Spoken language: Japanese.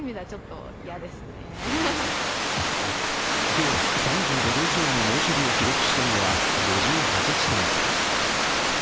今日、３５度以上の猛暑日を記録したのは５８地点。